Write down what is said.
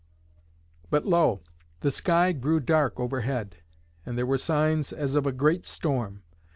But lo! the sky grew dark overhead, and there were signs as of a great storm.